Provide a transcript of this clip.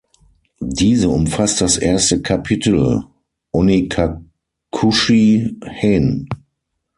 Diese umfasst das erste Kapitel "Onikakushi-hen".